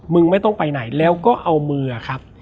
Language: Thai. ไม่ต้องไปไหนแล้วก็เอามือครับ